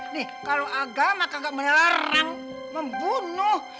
nih kalau agama kagak melarang membunuh